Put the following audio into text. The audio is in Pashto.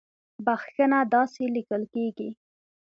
بخښنه داسې ليکل کېږي